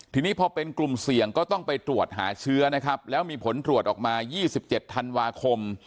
ทีนี้พอเป็นกลุ่มเสี่ยงก็ต้องไปตรวจหาเชื้อนะครับแล้วมีผลตรวจออกมา๒๗ธันวาคม